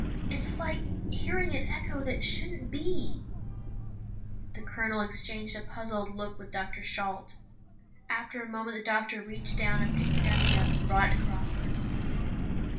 It's like hearing an echo that shouldn't be." The Colonel exchanged a puzzled look with Dr. Shalt. After a moment the doctor reached down and picked the dummy up and brought it to Crawford.